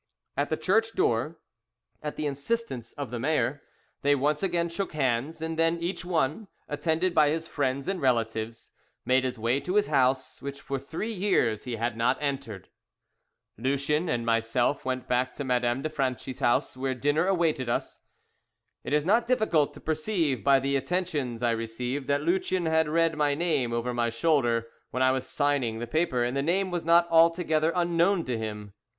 At the church door, at the instance of the mayor, they once again shook hands; and then each one, attended by his friends and relatives, made his way to his house, which for three years he had not entered. Lucien and myself went back to Madame de Franchi's house, where dinner awaited us. It is not difficult to perceive by the attentions I received that Lucien had read my name over my shoulder when I was signing the paper, and the name was not altogether unknown to him.